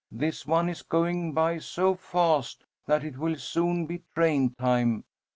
This one is going by so fast that it will soon be train time.